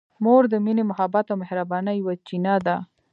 مور د مینې، محبت او مهربانۍ یوه چینه ده.